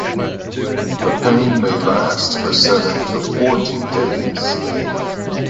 The pain may last for seven to forty days.